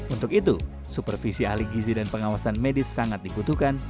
untuk itu supervisi ahli gizi dan pengawasan medis sangat dibutuhkan